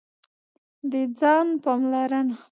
د ځان پاملرنه: